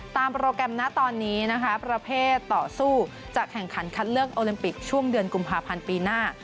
โปรแกรมนะตอนนี้นะคะประเภทต่อสู้จะแข่งขันคัดเลือกโอลิมปิกช่วงเดือนกุมภาพันธ์ปีหน้า